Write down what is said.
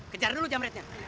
kejar dulu jemretnya